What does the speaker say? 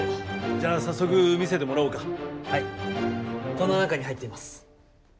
この中に入っています。